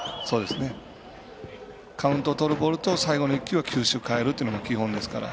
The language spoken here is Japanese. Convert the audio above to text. カウントをとるボールと最後の１球は球種を変えるというのが基本ですから。